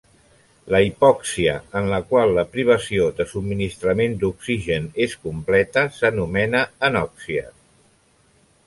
La hipòxia en la qual la privació de subministrament d'oxigen és completa s'anomena anòxia.